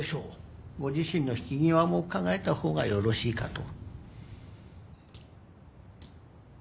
ご自身の引き際も考えた方がよろしいかと